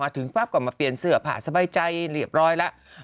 ถึงปั๊บก็มาเปลี่ยนเสื้อผ้าสบายใจเรียบร้อยแล้ว